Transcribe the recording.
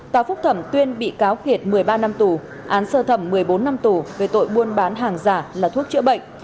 tòa phúc thẩm tuyên bị cáo kiệt một mươi ba năm tù án sơ thẩm một mươi bốn năm tù về tội buôn bán hàng giả là thuốc chữa bệnh